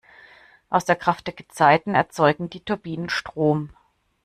Aus der Kraft der Gezeiten erzeugen die Turbinen Strom.